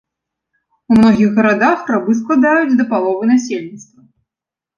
У многіх гарадах рабы складаюць да паловы насельніцтва.